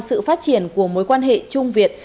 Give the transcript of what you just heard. sự phát triển của mối quan hệ chung việt